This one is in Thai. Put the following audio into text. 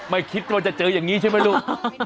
ไม่คิดว่าจะเจออย่างนี้ใช่ไหมลูก